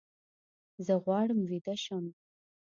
زه غواړم ویده شم